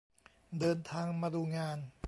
เดินทางมาดูงาน